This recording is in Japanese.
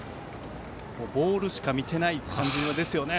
ボールしか見てない感じですよね。